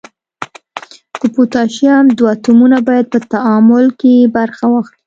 د پوتاشیم دوه اتومه باید په تعامل کې برخه واخلي.